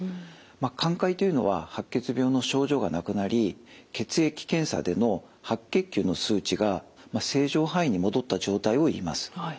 寛解というのは白血病の症状がなくなり血液検査での白血球の数値が正常範囲に戻った状態をいいます。